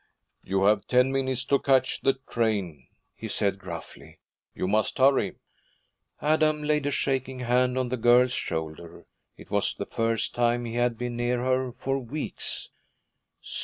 'You have ten minutes to catch the train,' he said gruffly. 'You must hurry.' Adam laid a shaking hand on the girl's shoulder. It was the first time he had been near her for weeks.